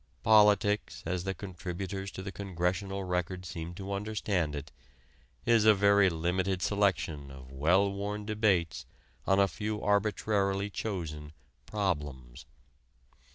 Politics, as the contributors to the Congressional Record seem to understand it, is a very limited selection of well worn debates on a few arbitrarily chosen "problems."